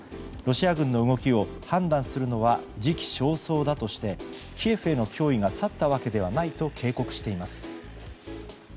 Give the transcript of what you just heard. ロシア軍の動きを判断するのは時期尚早だとしてキエフへの脅威が去ったわけではないと警告しています。